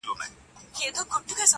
• په تا هيـــــڅ خــــبر نـــه يــــم.